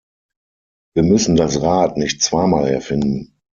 Wir müssen das Rad nicht zweimal erfinden.